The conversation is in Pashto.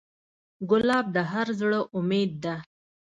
ګلاب د هر زړه امید ده.